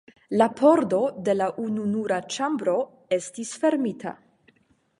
La pordo de la ununura ĉambro estis fermita.